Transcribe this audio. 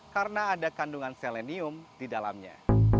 karena ada kandungan selenium di dalamnya